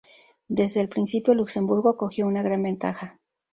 Desde el principio Luxemburgo cogió una gran ventaja.